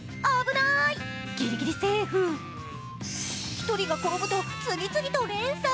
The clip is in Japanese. １人が転ぶと、次々と連鎖。